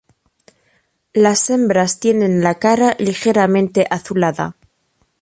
Las hembras tienen la cara ligeramente azulada.